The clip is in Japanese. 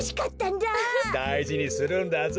だいじにするんだぞ。